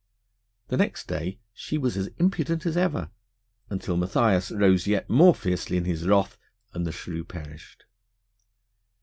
The next day she was as impudent as ever, until Matthias rose yet more fiercely in his wrath, and the shrew perished.